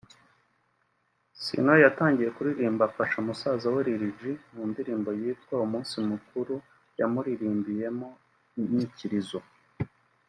Ciano yatangiye kuririmba afasha musaza we Lil-G mu ndirimbo yitwa “Umunsi Mukuru” yamuririmbiyemo inyikirizo